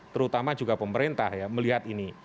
terutama juga pemerintah ya melihat ini